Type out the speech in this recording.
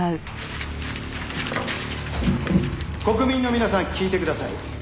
国民の皆さん聞いてください。